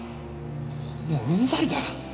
もううんざりだ。